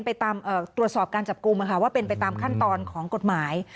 ไปตามตรวจสอบการจับกลุ่มว่าเป็นไปตามขั้นตอนของกฎหมาย